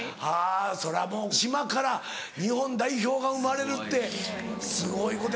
それはもう島から日本代表が生まれるってすごいことや。